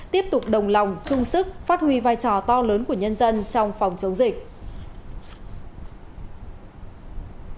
tiếp tục đồng lòng chung sức phát huy vai trò to lớn của nhân dân trong phòng chống dịch